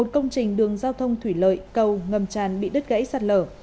một mươi một công trình đường giao thông thủy lợi cầu ngầm tràn bị đứt gãy sạt lở